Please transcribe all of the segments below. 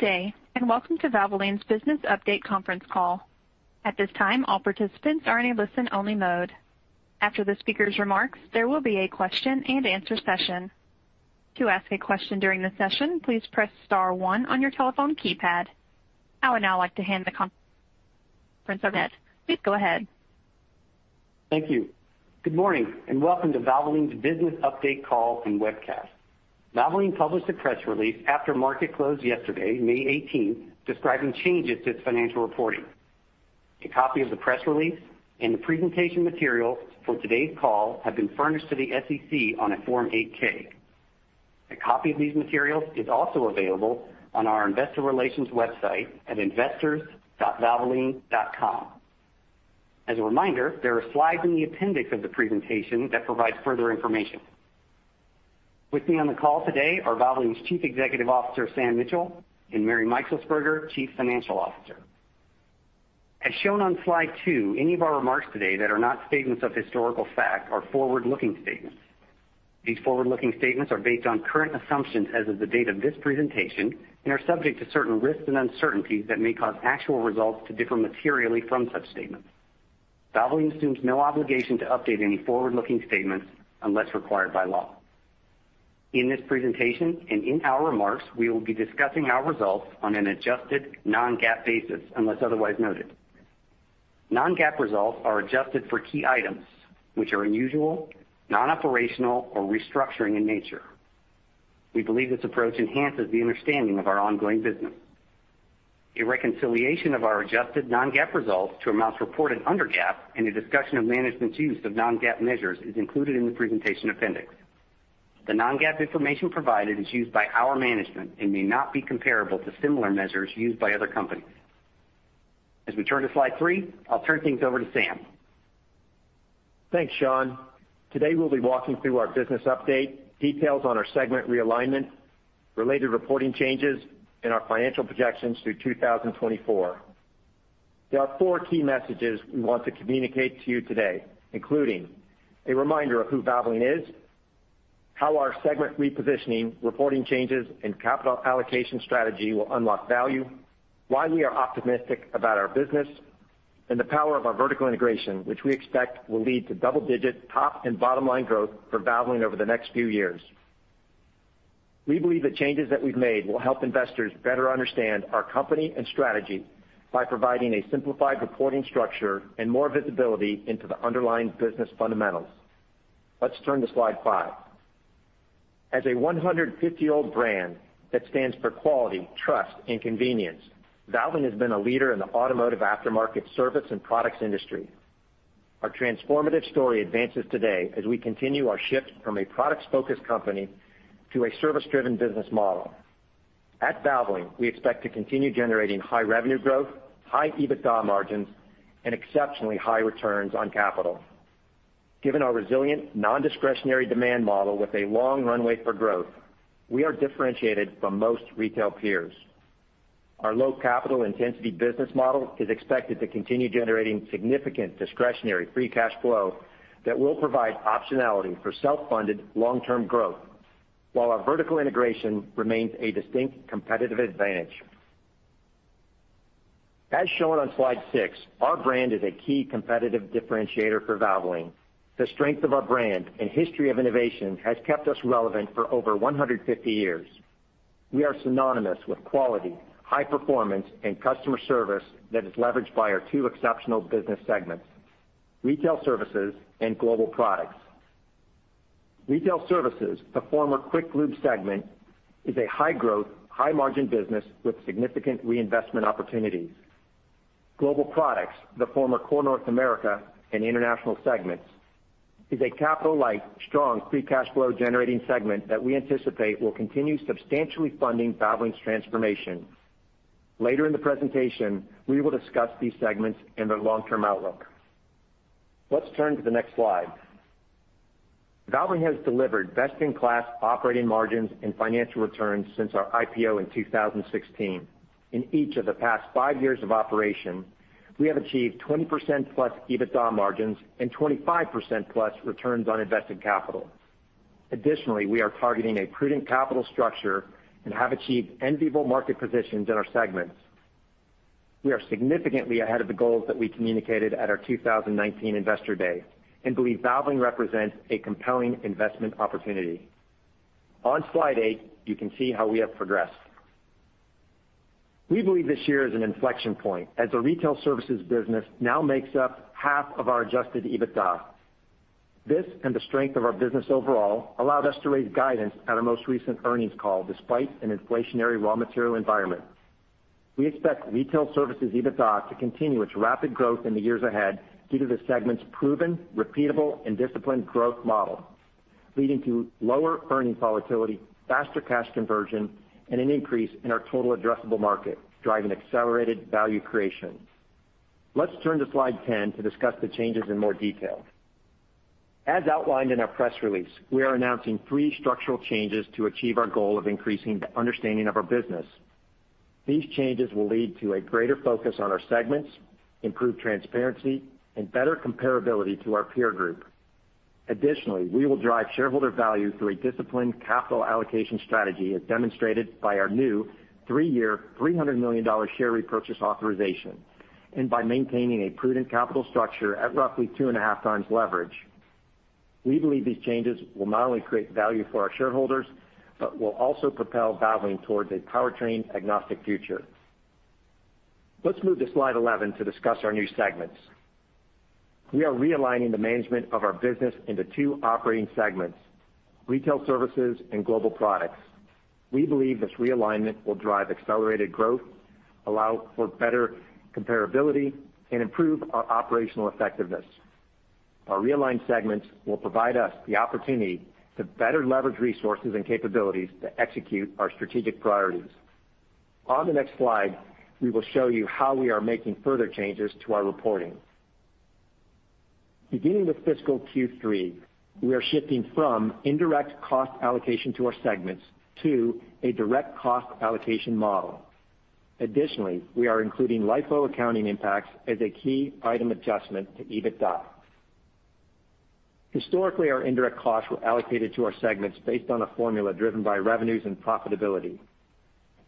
Good day, welcome to Valvoline's Business Update Conference Call. At this time, all participants are in listen only mode. After the speakers' remarks, there will be a question and answer session. To ask a question during the session, please press star one on your telephone keypad. I would now like to hand the conference over to Sean Cornett. Please go ahead. Thank you. Good morning, and welcome to Valvoline's Business Update Call and Webcast. Valvoline published a press release after market close yesterday, May 18th, describing changes to its financial reporting. A copy of the press release and the presentation materials for today's call have been furnished to the SEC on a Form 8-K. A copy of these materials is also available on our investor relations website at investors.valvoline.com. As a reminder, there are slides in the appendix of the presentation that provide further information. With me on the call today are Valvoline's Chief Executive Officer, Sam Mitchell, and Mary Meixelsperger, Chief Financial Officer. As shown on Slide 2, any of our remarks today that are not statements of historical fact are forward-looking statements. These forward-looking statements are based on current assumptions as of the date of this presentation and are subject to certain risks and uncertainties that may cause actual results to differ materially from such statements. Valvoline assumes no obligation to update any forward-looking statements unless required by law. In this presentation and in our remarks, we will be discussing our results on an adjusted non-GAAP basis, unless otherwise noted. Non-GAAP results are adjusted for key items which are unusual, non-operational, or restructuring in nature. We believe this approach enhances the understanding of our ongoing business. A reconciliation of our adjusted non-GAAP results to amounts reported under GAAP and a discussion of management's use of non-GAAP measures is included in the presentation appendix. The non-GAAP information provided is used by our management and may not be comparable to similar measures used by other companies. As we turn to Slide 3, I'll turn things over to Sam. Thanks, Sean. Today, we'll be walking through our Business Update, details on our segment realignment, related reporting changes, and our financial projections through 2024. There are four key messages we want to communicate to you today, including a reminder of who Valvoline is, how our segment repositioning, reporting changes, and capital allocation strategy will unlock value, why we are optimistic about our business, and the power of our vertical integration, which we expect will lead to double-digit top and bottom-line growth for Valvoline over the next few years. We believe the changes that we've made will help investors better understand our company and strategy by providing a simplified reporting structure and more visibility into the underlying business fundamentals. Let's turn to Slide 5. As a 150-year-old brand that stands for quality, trust, and convenience, Valvoline has been a leader in the automotive aftermarket service and products industry. Our transformative story advances today as we continue our shift from a products-focused company to a service-driven business model. At Valvoline, we expect to continue generating high revenue growth, high EBITDA margins, and exceptionally high returns on capital. Given our resilient, non-discretionary demand model with a long runway for growth, we are differentiated from most retail peers. Our low capital intensity business model is expected to continue generating significant discretionary free cash flow that will provide optionality for self-funded long-term growth, while our vertical integration remains a distinct competitive advantage. As shown on Slide 6, our brand is a key competitive differentiator for Valvoline. The strength of our brand and history of innovation has kept us relevant for over 150 years. We are synonymous with quality, high performance, and customer service that is leveraged by our two exceptional business segments, Retail Services and Global Products. Retail Services, the former Quick Lubes segment, is a high-growth, high-margin business with significant reinvestment opportunities. Global Products, the former Core North America and International segments, is a capital-light, strong free cash flow generating segment that we anticipate will continue substantially funding Valvoline's transformation. Later in the presentation, we will discuss these segments and their long-term outlook. Let's turn to the next slide. Valvoline has delivered best-in-class operating margins and financial returns since our IPO in 2016. In each of the past five years of operation, we have achieved 20%+ EBITDA margins and 25%+ returns on invested capital. Additionally, we are targeting a prudent capital structure and have achieved enviable market positions in our segments. We are significantly ahead of the goals that we communicated at our 2019 Investor Day and believe Valvoline represents a compelling investment opportunity. On Slide 8, you can see how we have progressed. We believe this year is an inflection point as our Retail Services business now makes up half of our adjusted EBITDA. This and the strength of our business overall allowed us to raise guidance at our most recent earnings call despite an inflationary raw material environment. We expect Retail Services EBITDA to continue its rapid growth in the years ahead due to the segment's proven repeatable and disciplined growth model, leading to lower earning volatility, faster cash conversion, and an increase in our total addressable market, driving accelerated value creation. Let's turn to Slide 10 to discuss the changes in more detail. As outlined in our press release, we are announcing three structural changes to achieve our goal of increasing the understanding of our business. These changes will lead to a greater focus on our segments, improved transparency, and better comparability to our peer group. Additionally, we will drive shareholder value through a disciplined capital allocation strategy as demonstrated by our new three-year, $300 million share repurchase authorization and by maintaining a prudent capital structure at roughly 2.5x Leverage. We believe these changes will not only create value for our shareholders, but will also propel Valvoline towards a powertrain-agnostic future. Let's move to Slide 11 to discuss our new segments. We are realigning the management of our business into two operating segments, Retail Services and Global Products. We believe this realignment will drive accelerated growth, allow for better comparability, and improve our operational effectiveness. Our realigned segments will provide us the opportunity to better leverage resources and capabilities to execute our strategic priorities. On the next slide, we will show you how we are making further changes to our reporting. Beginning with fiscal Q3, we are shifting from indirect cost allocation to our segments to a direct cost allocation model. Additionally, we are including LIFO accounting impacts as a key item adjustment to EBITDA. Historically, our indirect costs were allocated to our segments based on a formula driven by revenues and profitability.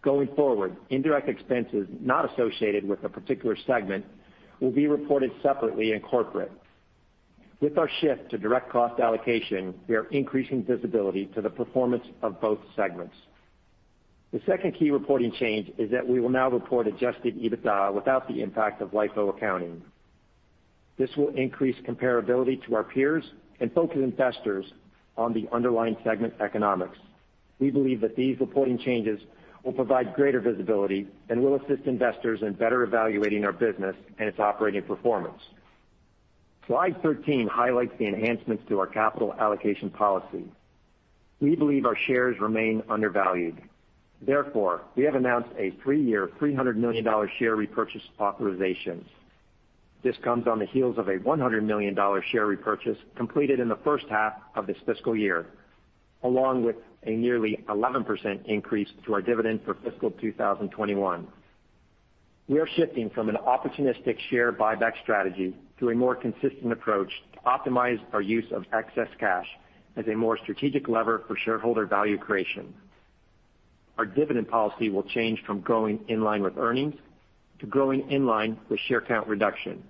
Going forward, indirect expenses not associated with a particular segment will be reported separately in corporate. With our shift to direct cost allocation, we are increasing visibility to the performance of both segments. The second key reporting change is that we will now report adjusted EBITDA without the impact of LIFO accounting. This will increase comparability to our peers and focus investors on the underlying segment economics. We believe that these reporting changes will provide greater visibility and will assist investors in better evaluating our business and its operating performance. Slide 13 highlights the enhancements to our capital allocation policy. We believe our shares remain undervalued. We have announced a three-year, $300 million share repurchase authorization. This comes on the heels of a $100 million share repurchase completed in the first half of this fiscal year, along with a nearly 11% increase to our dividend for fiscal 2021. We are shifting from an opportunistic share buyback strategy to a more consistent approach to optimize our use of excess cash as a more strategic lever for shareholder value creation. Our dividend policy will change from growing in line with earnings to growing in line with share count reduction.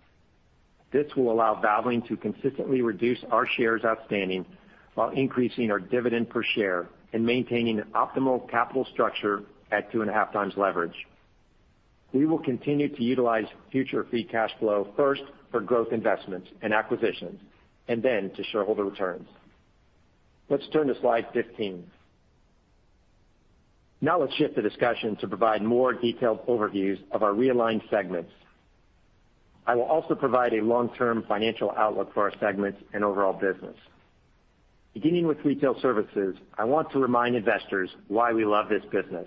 This will allow Valvoline to consistently reduce our shares outstanding while increasing our dividend per share and maintaining an optimal capital structure at 2.5x leverage. We will continue to utilize future free cash flow first for growth investments and acquisitions, then to shareholder returns. Let's turn to Slide 15. Let's shift the discussion to provide more detailed overviews of our realigned segments. I will also provide a long-term financial outlook for our segments and overall business. Beginning with Retail Services, I want to remind investors why we love this business.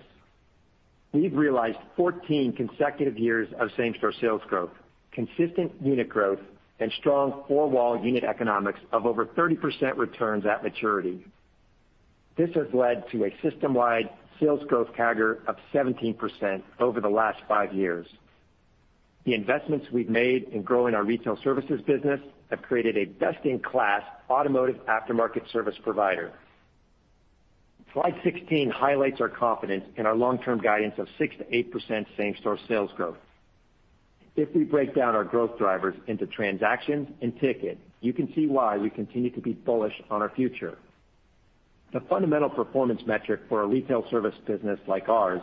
We've realized 14 consecutive years of same-store sales growth, consistent unit growth, and strong four-wall unit economics of over 30% returns at maturity. This has led to a system-wide sales growth CAGR of 17% over the last five years. The investments we've made in growing our Retail Services business have created a best-in-class automotive aftermarket service provider. Slide 16 highlights our confidence in our long-term guidance of 6%-8% same-store sales growth. If we break down our growth drivers into transactions and ticket, you can see why we continue to be bullish on our future. The fundamental performance metric for a retail service business like ours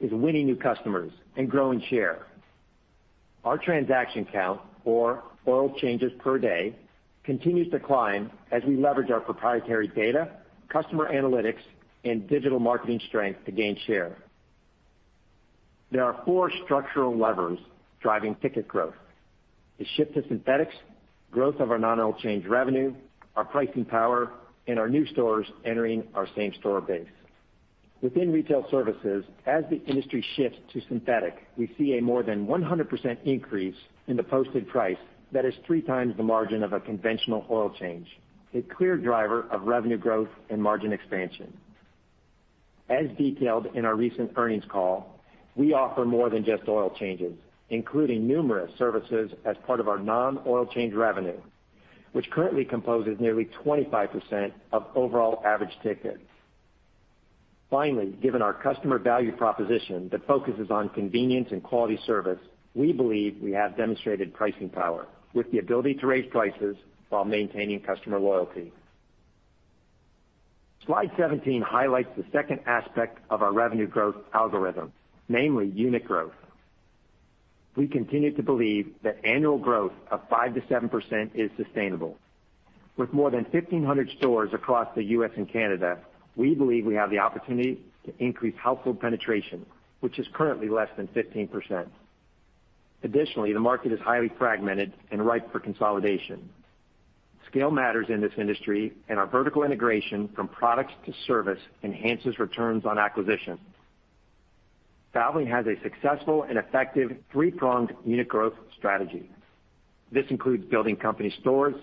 is winning new customers and growing share. Our transaction count or oil changes per day continues to climb as we leverage our proprietary data, customer analytics, and digital marketing strength to gain share. There are four structural levers driving ticket growth, the shift to synthetics, growth of our non-oil change revenue, our pricing power, and our new stores entering our same store base. Within Retail Services, as the industry shifts to synthetic, we see a more than 100% increase in the posted price that is 3x the margin of a conventional oil change, a clear driver of revenue growth and margin expansion. As detailed in our recent earnings call, we offer more than just oil changes, including numerous services as part of our non-oil change revenue, which currently composes nearly 25% of overall average tickets. Given our customer value proposition that focuses on convenience and quality service, we believe we have demonstrated pricing power with the ability to raise prices while maintaining customer loyalty. Slide 17 highlights the second aspect of our revenue growth algorithm, namely unit growth. We continue to believe that annual growth of 5%-7% is sustainable. With more than 1,500 stores across the U.S. and Canada, we believe we have the opportunity to increase household penetration, which is currently less than 15%. Additionally, the market is highly fragmented and ripe for consolidation. Scale matters in this industry, and our vertical integration from products to service enhances returns on acquisition. Valvoline has a successful and effective three-pronged unit growth strategy. This includes building company stores,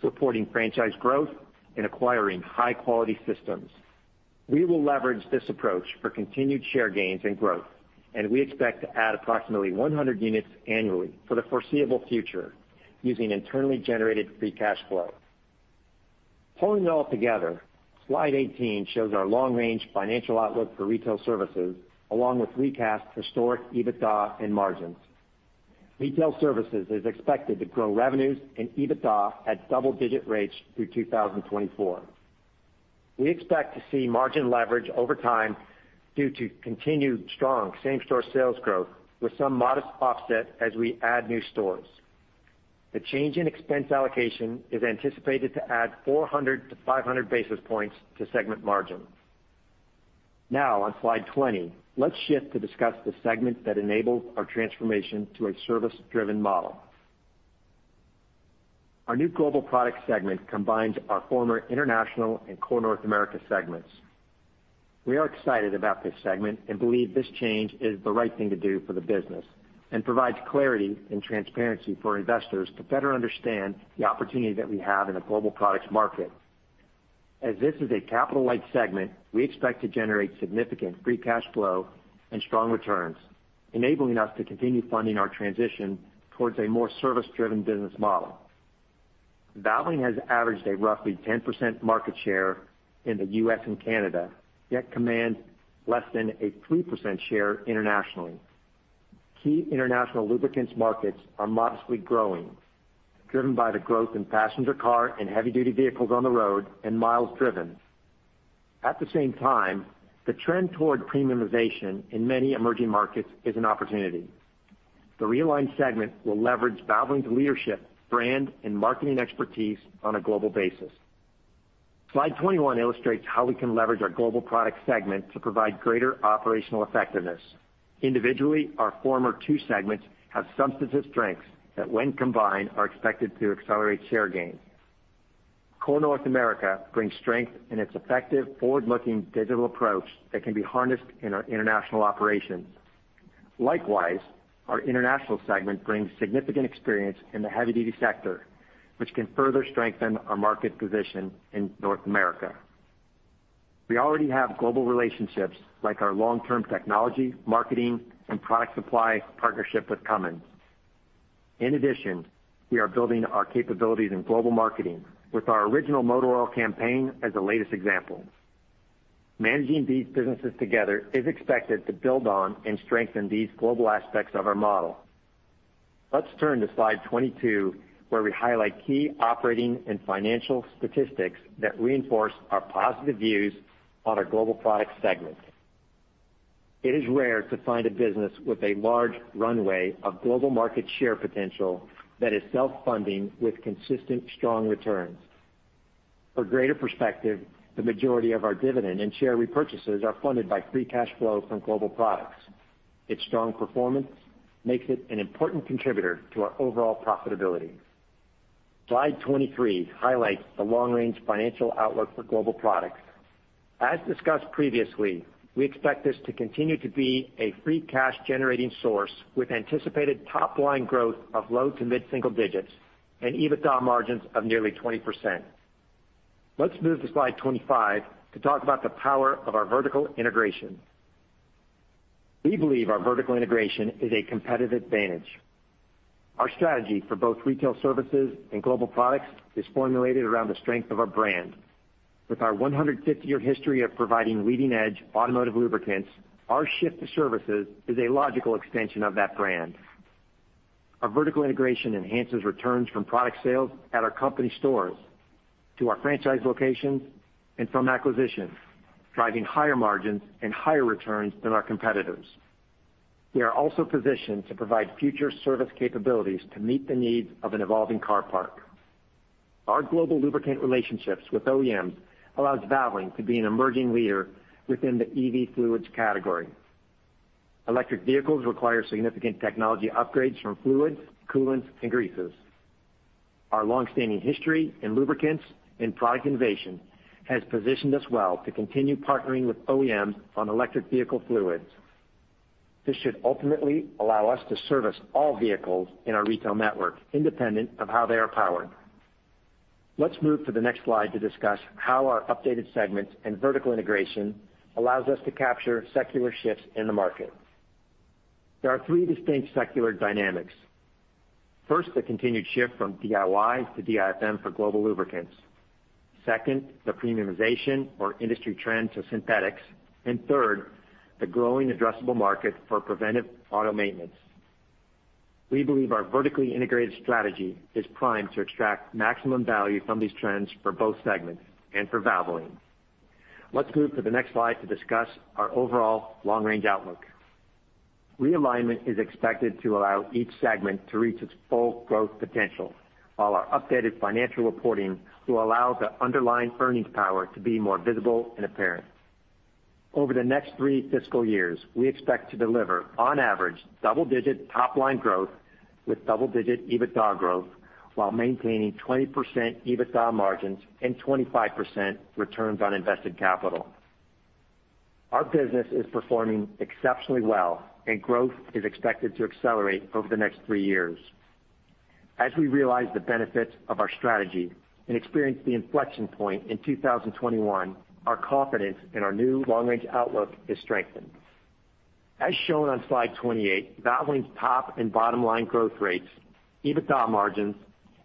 supporting franchise growth, and acquiring high-quality systems. We will leverage this approach for continued share gains and growth, and we expect to add approximately 100 units annually for the foreseeable future using internally generated free cash flow. Pulling it all together, Slide 18 shows our long-range financial outlook for Retail Services, along with recast historic EBITDA and margins. Retail Services is expected to grow revenues and EBITDA at double-digit rates through 2024. We expect to see margin leverage over time due to continued strong same-store sales growth with some modest offset as we add new stores. The change in expense allocation is anticipated to add 400-500 basis points to segment margins. On Slide 20, let's shift to discuss the segment that enables our transformation to a service-driven model. Our new Global Products segment combines our former International and Core North America segments. We are excited about this segment and believe this change is the right thing to do for the business and provides clarity and transparency for investors to better understand the opportunity that we have in the global products market. As this is a capital-light segment, we expect to generate significant free cash flow and strong returns, enabling us to continue funding our transition towards a more service-driven business model. Valvoline has averaged a roughly 10% market share in the U.S. and Canada, yet commands less than a 3% share internationally. Key international lubricants markets are modestly growing, driven by the growth in passenger car and heavy-duty vehicles on the road and miles driven. At the same time, the trend toward premiumization in many emerging markets is an opportunity. The realigned segment will leverage Valvoline's leadership, brand, and marketing expertise on a global basis. Slide 21 illustrates how we can leverage our Global Products segment to provide greater operational effectiveness. Individually, our former two segments have substantive strengths that, when combined, are expected to accelerate share gains. Core North America brings strength in its effective forward-looking digital approach that can be harnessed in our international operations. Likewise, our International segment brings significant experience in the heavy-duty sector, which can further strengthen our market position in North America. We already have global relationships like our long-term technology, marketing, and product supply partnership with Cummins. In addition, we are building our capabilities in global marketing with our Original Motor Oil campaign as the latest example. Managing these businesses together is expected to build on and strengthen these global aspects of our model. Let's turn to Slide 22, where we highlight key operating and financial statistics that reinforce our positive views on our Global Products segment. It is rare to find a business with a large runway of global market share potential that is self-funding with consistent strong returns. For greater perspective, the majority of our dividend and share repurchases are funded by free cash flow from Global Products. Its strong performance makes it an important contributor to our overall profitability. Slide 23 highlights the long-range financial outlook for Global Products. As discussed previously, we expect this to continue to be a free cash generating source with anticipated top-line growth of low to mid-single digits and EBITDA margins of nearly 20%. Let's move to Slide 25 to talk about the power of our vertical integration. We believe our vertical integration is a competitive advantage. Our strategy for both Retail Services and Global Products is formulated around the strength of our brand. With our 150-year history of providing leading-edge automotive lubricants, our shift to services is a logical extension of that brand. Our vertical integration enhances returns from product sales at our company stores to our franchise locations and from acquisitions, driving higher margins and higher returns than our competitors. We are also positioned to provide future service capabilities to meet the needs of an evolving car parc. Our global lubricant relationships with OEMs allows Valvoline to be an emerging leader within the EV fluids category. Electric vehicles require significant technology upgrades from fluids, coolants, and greases. Our long-standing history in lubricants and product innovation has positioned us well to continue partnering with OEMs on electric vehicle fluids. This should ultimately allow us to service all vehicles in our retail network independent of how they are powered. Let's move to the next slide to discuss how our updated segments and vertical integration allows us to capture secular shifts in the market. There are three distinct secular dynamics. First, the continued shift from DIY to DIFM for global lubricants. Second, the premiumization or industry trend to synthetics, and third, the growing addressable market for preventive auto maintenance. We believe our vertically integrated strategy is primed to extract maximum value from these trends for both segments and for Valvoline. Let's move to the next slide to discuss our overall long-range outlook. Realignment is expected to allow each segment to reach its full growth potential, while our updated financial reporting will allow the underlying earnings power to be more visible and apparent. Over the next three fiscal years, we expect to deliver, on average, double-digit top-line growth with double-digit EBITDA growth while maintaining 20% EBITDA margins and 25% returns on invested capital. Our business is performing exceptionally well, and growth is expected to accelerate over the next three years. As we realize the benefits of our strategy and experience the inflection point in 2021, our confidence in our new long-range outlook is strengthened. As shown on Slide 28, Valvoline's top and bottom line growth rates, EBITDA margins,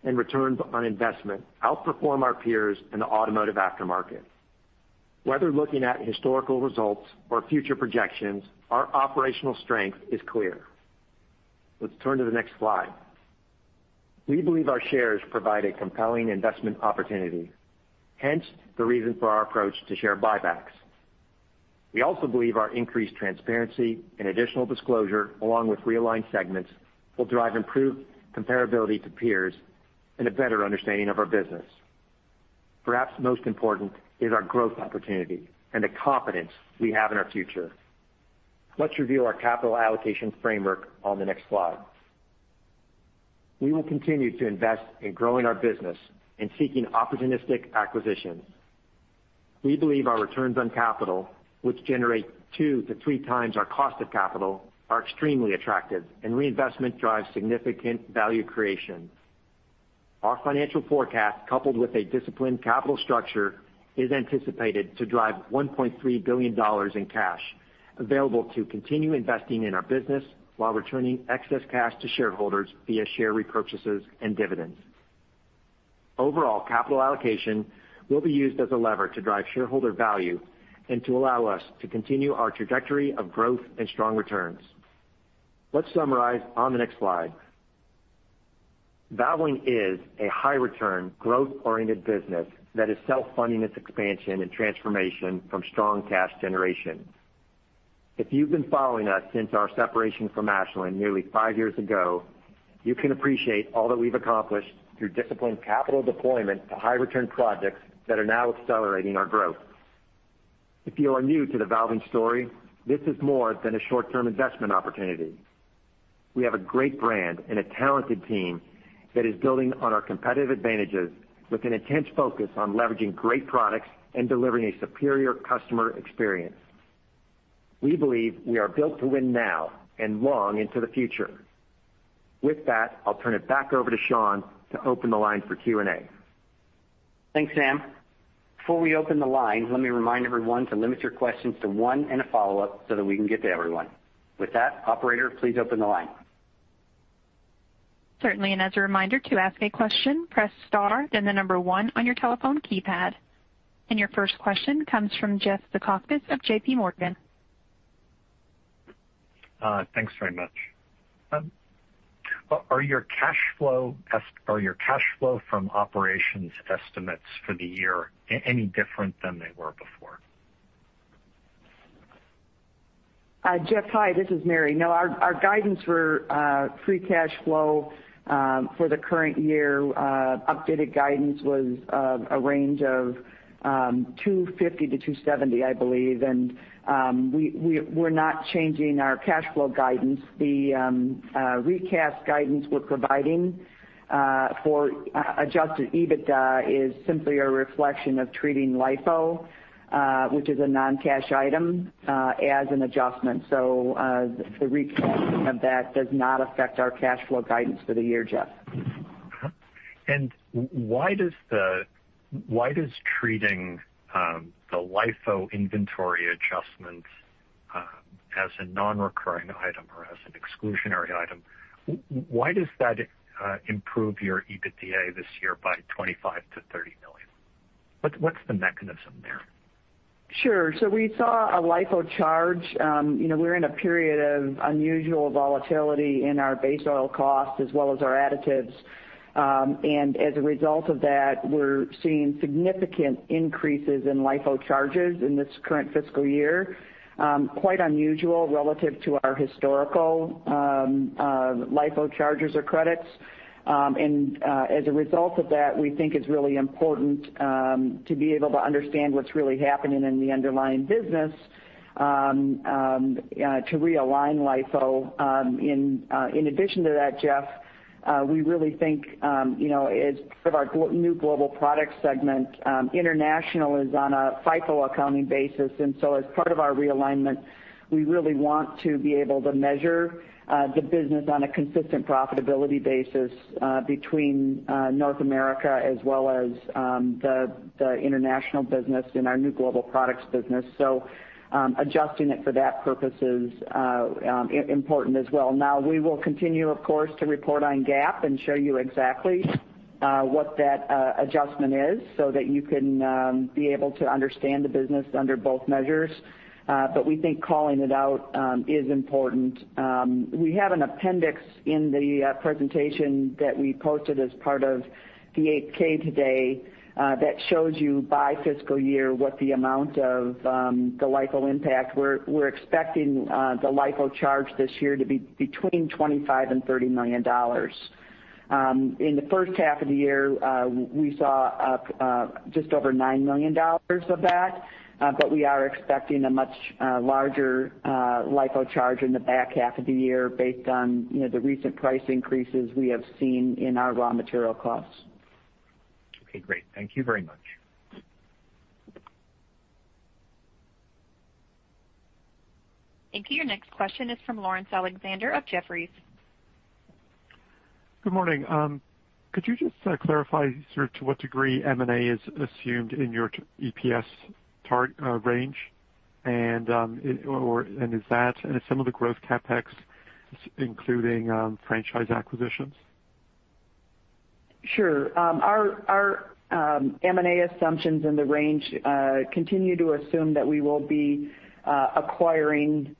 and return on investment outperform our peers in the automotive aftermarket. Whether looking at historical results or future projections, our operational strength is clear. Let's turn to the next slide. We believe our shares provide a compelling investment opportunity, hence the reason for our approach to share buybacks. We also believe our increased transparency and additional disclosure, along with realigned segments, will drive improved comparability to peers and a better understanding of our business. Perhaps most important is our growth opportunity and the confidence we have in our future. Let's review our capital allocation framework on the next slide. We will continue to invest in growing our business and seeking opportunistic acquisitions. We believe our returns on capital, which generate 2x-3x our cost of capital, are extremely attractive, and reinvestment drives significant value creation. Our financial forecast, coupled with a disciplined capital structure, is anticipated to drive $1.3 billion in cash available to continue investing in our business while returning excess cash to shareholders via share repurchases and dividends. Overall capital allocation will be used as a lever to drive shareholder value and to allow us to continue our trajectory of growth and strong returns. Let's summarize on the next slide. Valvoline is a high-return, growth-oriented business that is self-funding its expansion and transformation from strong cash generation. If you've been following us since our separation from Ashland nearly five years ago, you can appreciate all that we've accomplished through disciplined capital deployment to high-return projects that are now accelerating our growth. If you are new to the Valvoline story, this is more than a short-term investment opportunity. We have a great brand and a talented team that is building on our competitive advantages with an intense focus on leveraging great products and delivering a superior customer experience. We believe we are built to win now and long into the future. With that, I'll turn it back over to Sean to open the line for Q&A. Thanks, Sam. Before we open the lines, let me remind everyone to limit your questions to one and a follow-up so that we can get to everyone. With that, operator, please open the line. Certainly. As a reminder, to ask a question, press star, then the number one on your telephone keypad. Your first question comes from Jeff Bekowith of JPMorgan. Thanks very much. Are your cash flow from operations estimates for the year any different than they were before? Jeff, hi. This is Mary. No, our guidance for free cash flow for the current year, updated guidance was a range of $250 million-$270 million, I believe, and we're not changing our cash flow guidance. The recast guidance we're providing for adjusted EBITDA is simply a reflection of treating LIFO, which is a non-cash item, as an adjustment. The recasting of that does not affect our cash flow guidance for the year, Jeff. Why does treating the LIFO inventory adjustment as a non-recurring item or as an exclusionary item, why does that improve your EBITDA this year by $25 million-$30 million? What's the mechanism there? Sure. We saw a LIFO charge. We're in a period of unusual volatility in our base oil cost as well as our additives. As a result of that, we're seeing significant increases in LIFO charges in this current fiscal year, quite unusual relative to our historical LIFO charges or credits. As a result of that, we think it's really important to be able to understand what's really happening in the underlying business to realign LIFO. In addition to that, Jeff, we really think as part of our new Global Products segment, International is on a FIFO accounting basis. As part of our realignment, we really want to be able to measure the business on a consistent profitability basis between North America as well as the International business in our new Global Products business. Adjusting it for that purpose is important as well. Now, we will continue, of course, to report on GAAP and show you exactly what that adjustment is so that you can be able to understand the business under both measures. We think calling it out is important. We have an appendix in the presentation that we posted as part of the 8-K today that shows you by fiscal year what the amount of the LIFO impact. We're expecting the LIFO charge this year to be between $25 million and $30 million. In the first half of the year, we saw just over $9 million of that, but we are expecting a much larger LIFO charge in the back half of the year based on the recent price increases we have seen in our raw material costs. Okay, great. Thank you very much. Thank you. Next question is from Laurence Alexander of Jefferies. Good morning. Could you just clarify here to what degree M&A is assumed in your EPS target range? Is that and some of the growth CapEx including franchise acquisitions? Sure. Our M&A assumptions in the range continue to assume that we will be acquiring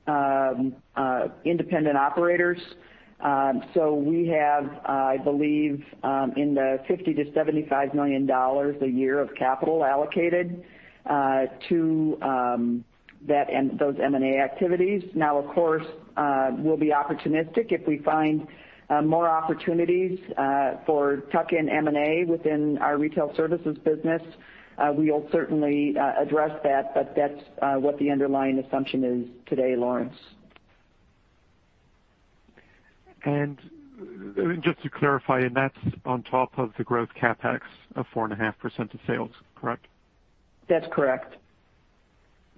independent operators. We have, I believe, in the $50 million-$75 million a year of capital allocated to those M&A activities. Now, of course, we'll be opportunistic if we find more opportunities for tuck-in M&A within our Retail Services business, we'll certainly address that, but that's what the underlying assumption is today, Laurence. Just to clarify, and that's on top of the growth CapEx of 4.5% of sales, correct? That's correct.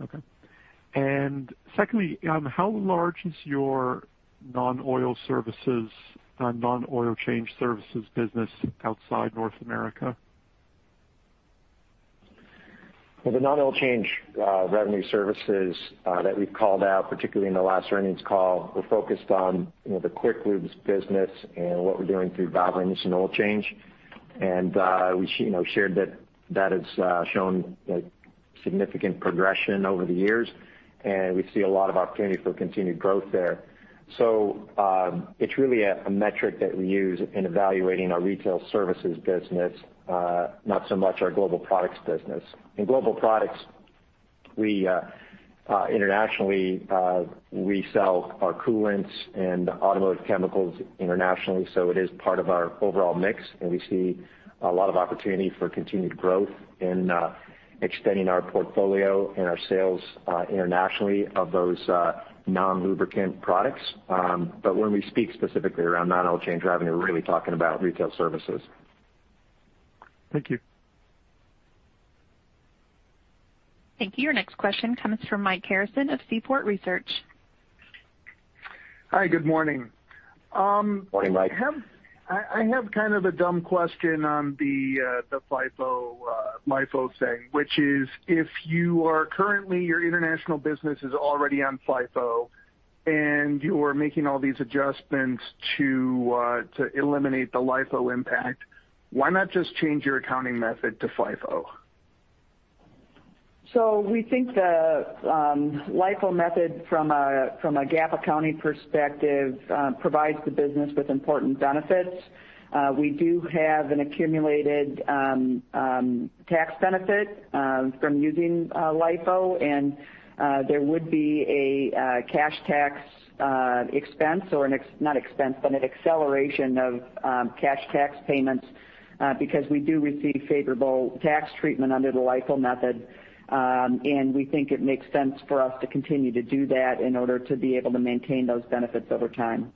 Okay. Secondly, how large is your non-oil services and non-oil change services business outside North America? The non-oil change revenue services that we called out, particularly in the last earnings call, we're focused on the Quick Lubes business and what we're doing through Valvoline Instant Oil Change. We shared that it's shown significant progression over the years, and we see a lot of opportunity for continued growth there. It's really a metric that we use in evaluating our Retail Services business, not so much our Global Products business. In Global Products, internationally, we sell our coolants and automotive chemicals internationally, it is part of our overall mix, and we see a lot of opportunity for continued growth in expanding our portfolio and our sales internationally of those non-lubricant products. When we speak specifically around non-oil change revenue, we're really talking about Retail Services. Thank you. Thank you. Your next question comes from Mike Harrison of Seaport Research. Hi, good morning. Morning, Mike. I have kind of a dumb question on the FIFO, LIFO thing, which is, if you are currently, your international business is already on FIFO and you are making all these adjustments to eliminate the LIFO impact, why not just change your accounting method to FIFO? We think the LIFO method from a GAAP accounting perspective, provides the business with important benefits. We do have an accumulated tax benefit from using LIFO, and there would be a cash tax expense, not expense, but an acceleration of cash tax payments, because we do receive favorable tax treatment under the LIFO method. We think it makes sense for us to continue to do that in order to be able to maintain those benefits over time.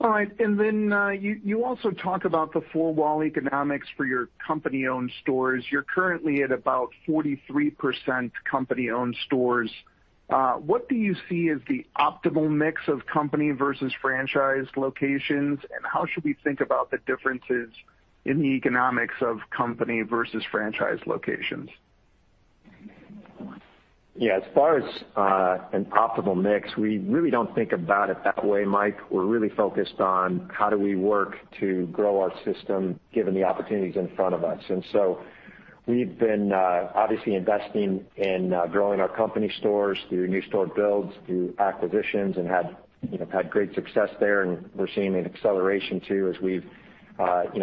All right. You also talked about the four-wall economics for your company-owned stores. You're currently at about 43% company-owned stores. What do you see as the optimal mix of company versus franchise locations, and how should we think about the differences in the economics of company versus franchise locations? Yeah, as far as an optimal mix, we really don't think about it that way, Mike. We're really focused on how do we work to grow our system, given the opportunities in front of us. We've been obviously investing in growing our company stores through new store builds, through acquisitions, and have had great success there. We're seeing an acceleration too, as we've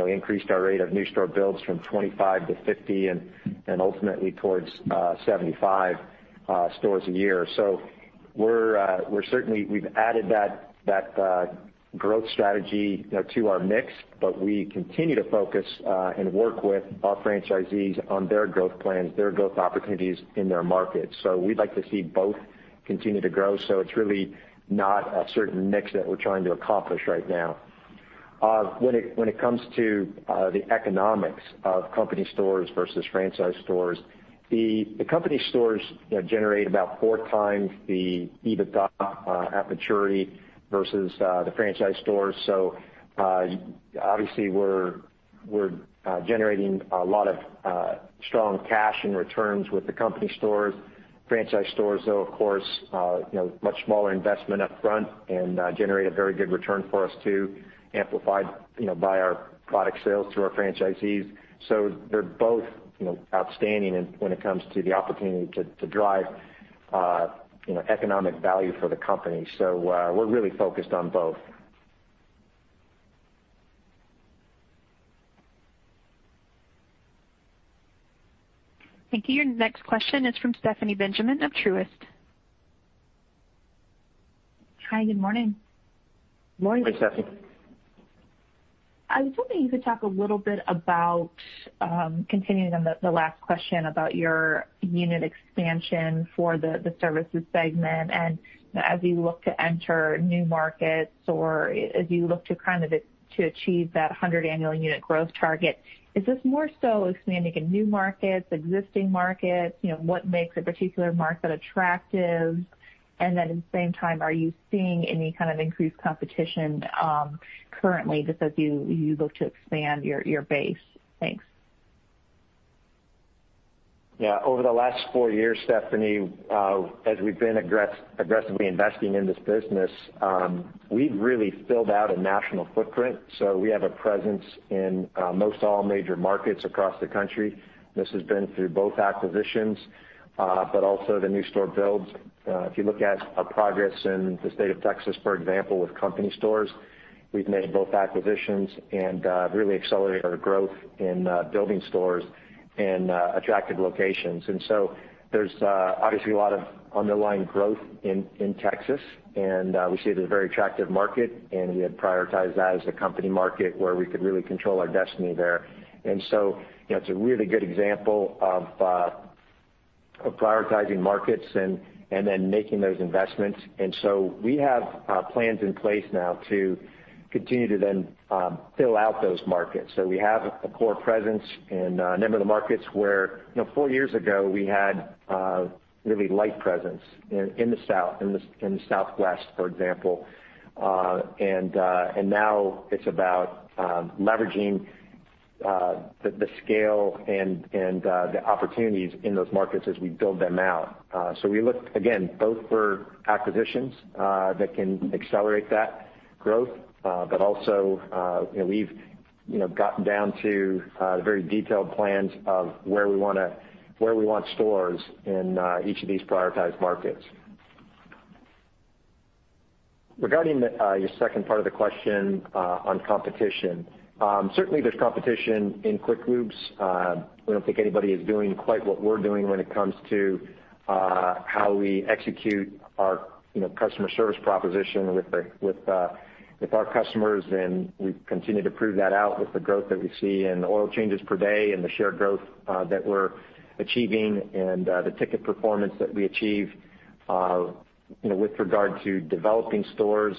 increased our rate of new store builds from 25-50 and ultimately towards 75 stores a year. We're certainly, we've added that growth strategy to our mix, but we continue to focus and work with our franchisees on their growth plans, their growth opportunities in their markets. We'd like to see both continue to grow. It's really not a certain mix that we're trying to accomplish right now. When it comes to the economics of company stores versus franchise stores, the company stores generate about 4x the EBITDA at maturity versus the franchise stores. Obviously we're generating a lot of strong cash and returns with the company stores. Franchise stores, though, of course, much smaller investment upfront and generate a very good return for us too, amplified by our product sales to our franchisees. They're both outstanding when it comes to the opportunity to drive economic value for the company. We're really focused on both. Thank you. Next question is from Stephanie Benjamin of Truist. Hi, good morning. Morning, Stephanie. I was wondering if you could talk a little bit about, continuing on the last question about your unit expansion for the services segment, and as you look to enter new markets or as you look to achieve that 100 annual unit growth target, is this more so expanding in new markets, existing markets? What makes a particular market attractive? At the same time, are you seeing any kind of increased competition currently just as you look to expand your base? Thanks. Yeah. Over the last four years, Stephanie, as we've been aggressively investing in this business, we've really filled out a national footprint. We have a presence in most all major markets across the country. This has been through both acquisitions, but also the new store builds. If you look at our progress in the state of Texas, for example, with company stores, we've made both acquisitions and really accelerated our growth in building stores in attractive locations. There's obviously a lot of underlying growth in Texas, and we see it a very attractive market, and we have prioritized that as a company market where we could really control our destiny there. It's a really good example of prioritizing markets and then making those investments. We have plans in place now to continue to then fill out those markets. We have a core presence in a number of markets where four years ago we had a really light presence in the South, in the Southwest, for example. Now it's about leveraging the scale and the opportunities in those markets as we build them out. We look, again, both for acquisitions that can accelerate that growth. Also, we've gotten down to very detailed plans of where we want stores in each of these prioritized markets. Regarding your second part of the question on competition, certainly there's competition in Quick Lubes. I don't think anybody is doing quite what we're doing when it comes to how we execute our customer service proposition with our customers, and we continue to prove that out with the growth that we see in oil changes per day and the share growth that we're achieving and the ticket performance that we achieve. With regard to developing stores,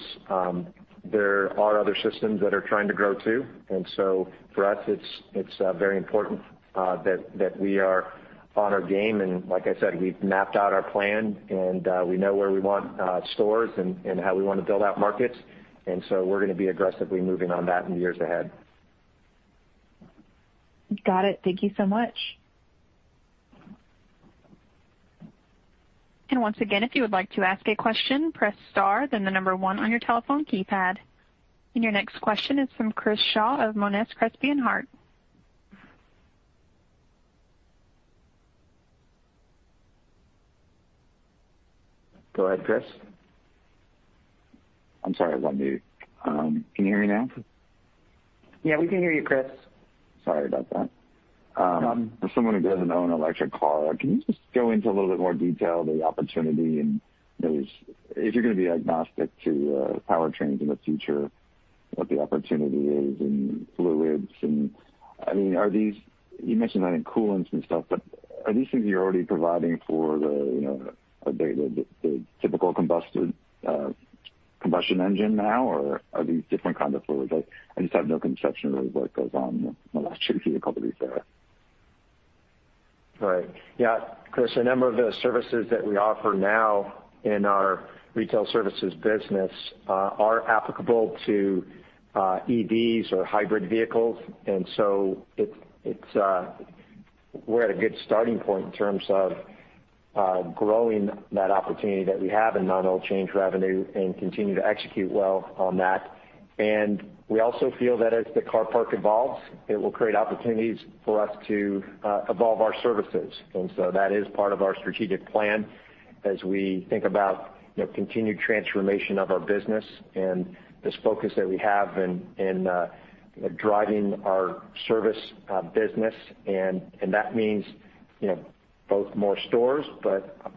there are other systems that are trying to grow, too. For us, it's very important that we are on our game. Like I said, we've mapped out our plan, and we know where we want stores and how we want to build out markets. We're going to be aggressively moving on that in years ahead. Got it. Thank you so much. Once again, if you would like to ask a question, press star, then the number one on your telephone keypad. Your next question is from Chris Shaw of Monness, Crespi, and Hardt. Go ahead, Chris. I'm sorry. I was on mute. Can you hear me now? Yeah, we can hear you, Chris. Sorry about that. No problem. For someone who doesn't own an electric car, can you just go into a little bit more detail the opportunity and is it going to be agnostic to powertrains in the future, what the opportunity is in fluids? You mentioned coolant and stuff, but are these things you're already providing for the typical combustion engine now, or are these different kind of fluids? I just have no conception really what goes on in electric vehicle repair. Right. Yeah, Chris, a number of the services that we offer now in our Retail Services business are applicable to EVs or hybrid vehicles. We're at a good starting point in terms of growing that opportunity that we have in non-oil change revenue and continue to execute well on that. We also feel that as the car park evolves, it will create opportunities for us to evolve our services. That is part of our strategic plan as we think about continued transformation of our business and this focus that we have in driving our service business. That means both more stores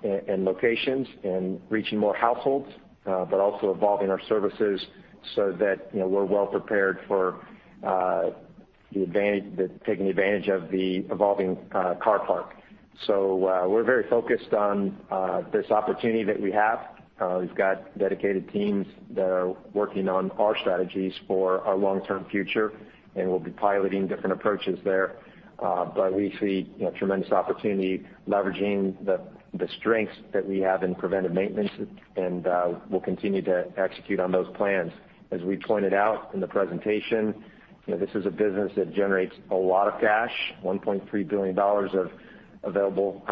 and locations and reaching more households, but also evolving our services so that we're well prepared for taking advantage of the evolving car park. We're very focused on this opportunity that we have. We've got dedicated teams that are working on our strategies for our long-term future, and we'll be piloting different approaches there. We see tremendous opportunity leveraging the strengths that we have in preventive maintenance, and we'll continue to execute on those plans. As we pointed out in the presentation, this is a business that generates a lot of cash, $1.3 billion of available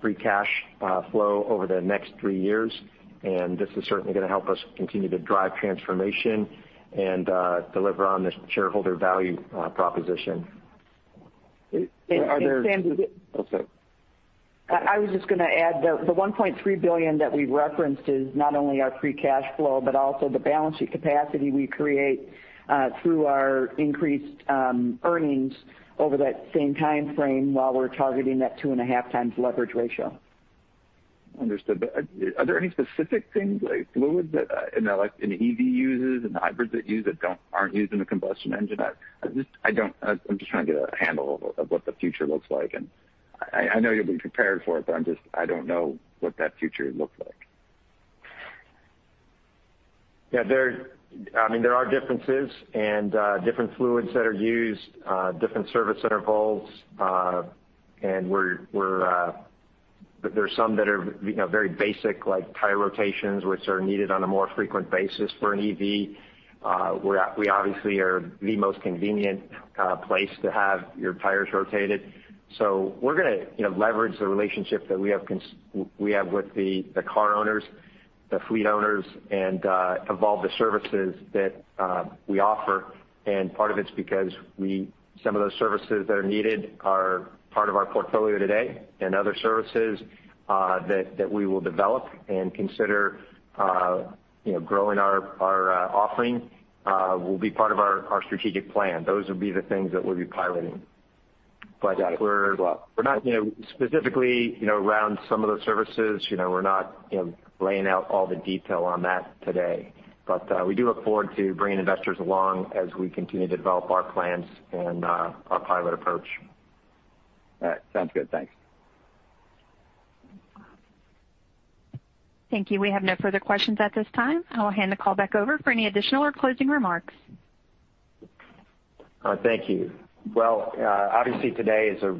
free cash flow over the next three years, and this is certainly going to help us continue to drive transformation and deliver on this shareholder value proposition. Sam. Oh, sorry. I was just going to add, the $1.3 billion that we referenced is not only our free cash flow, but also the balancing capacity we create through our increased earnings over that same time frame while we're targeting that 2.5x Leverage ratio. Understood. Are there any specific things like fluids that an EV uses and hybrids that use that aren't used in a combustion engine? I'm just trying to get a handle of what the future looks like, and I know you'll be prepared for it, but I don't know what that future looks like. Yeah. There are differences and different fluids that are used, different service intervals, but there's some that are very basic, like tire rotations, which are needed on a more frequent basis for an EV. We obviously are the most convenient place to have your tires rotated. We're going to leverage the relationship that we have with the car owners, the fleet owners, and evolve the services that we offer. Part of it's because some of those services that are needed are part of our portfolio today, and other services that we will develop and consider growing our offering will be part of our strategic plan. Those will be the things that we'll be piloting. Got it. Specifically around some of those services, we're not laying out all the detail on that today. We do look forward to bringing investors along as we continue to develop our plans and our pilot approach. All right. Sounds good. Thanks. Thank you. We have no further questions at this time. I'll hand the call back over for any additional or closing remarks. Thank you. Well, obviously, today is a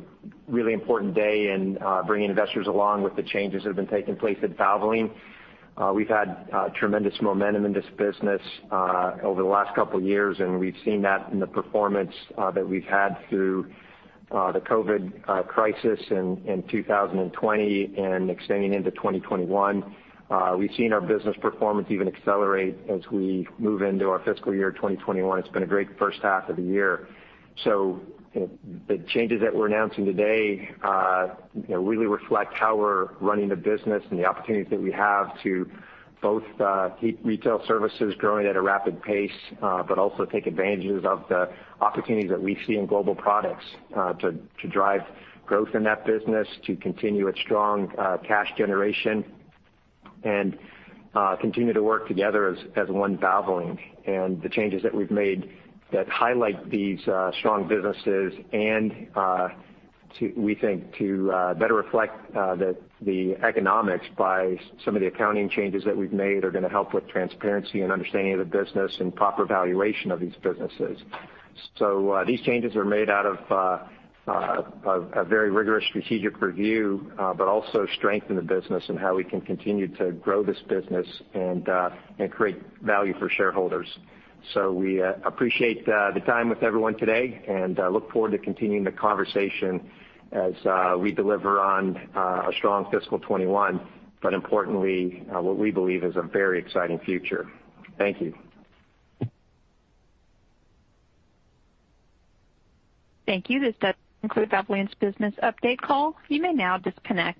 really important day in bringing investors along with the changes that have been taking place at Valvoline. We've had tremendous momentum in this business over the last couple of years, and we've seen that in the performance that we've had through the COVID crisis in 2020 and extending into 2021. We've seen our business performance even accelerate as we move into our fiscal year 2021. It's been a great first half of the year. The changes that we're announcing today really reflect how we're running the business and the opportunities that we have to both keep Retail Services growing at a rapid pace, but also take advantages of the opportunities that we see in Global Products to drive growth in that business, to continue its strong cash generation and continue to work together as one Valvoline. The changes that we've made that highlight these strong businesses and, we think, to better reflect the economics by some of the accounting changes that we've made are going to help with transparency and understanding of the business and proper valuation of these businesses. These changes are made out of a very rigorous strategic review, but also strengthen the business and how we can continue to grow this business and create value for shareholders. We appreciate the time with everyone today and look forward to continuing the conversation as we deliver on a strong fiscal 2021, but importantly, what we believe is a very exciting future. Thank you. Thank you. This does conclude Valvoline's Business Update call. You may now disconnect.